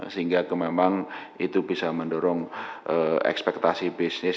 sehingga memang itu bisa mendorong ekspektasi bisnis